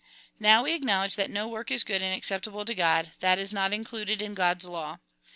Now we acknowledge that no work is good and accept able to God, that is not included in God's law.